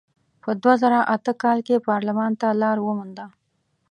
په دوه زره اته کال کې پارلمان ته لار ومونده.